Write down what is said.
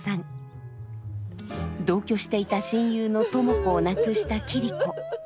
同居していた親友の知子を亡くした桐子。